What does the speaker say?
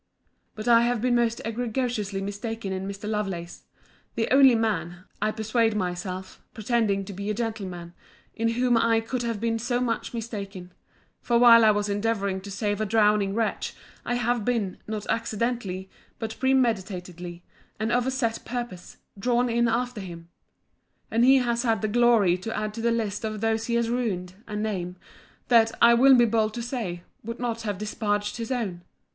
But I have been most egregiously mistaken in Mr. Lovelace; the only man, I persuade myself, pretending to be a gentleman, in whom I could have been so much mistaken: for while I was endeavouring to save a drowning wretch, I have been, not accidentally, but premeditatedly, and of set purpose, drawn in after him. And he has had the glory to add to the list of those he has ruined, a name, that, I will be bold to say, would not have disparaged his own.